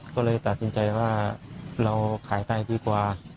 ก็เลยตัดสินใจว่าเราขายไทยดีกว่า